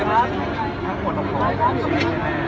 รู้สึกว่าเป็นผมเองหรือเป็นคนอื่น